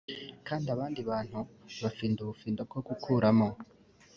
kandi abandi bantu bafinda ubufindo bwo gukuramo